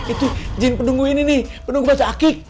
itu jin pendungu ini nih pendungu batu akik